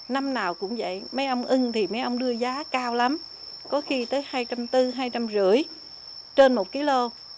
năm nào cũng vậy mấy ông ưng thì mấy ông đưa giá cao lắm có khi tới hai trăm bốn mươi hai trăm năm mươi trên một kg